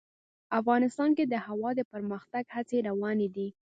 افغانستان کې د هوا د پرمختګ هڅې روانې دي.